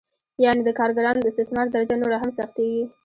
یانې د کارګرانو د استثمار درجه نوره هم سختېږي